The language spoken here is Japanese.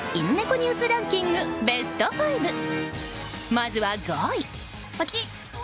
まずは５位。